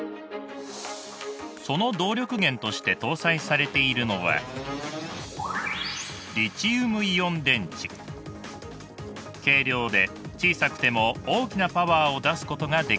その動力源として搭載されているのは軽量で小さくても大きなパワーを出すことができます。